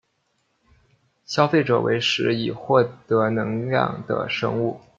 消费者为食以获得能量的生物。